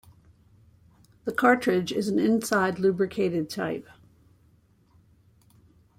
The cartridge is an inside lubricated type.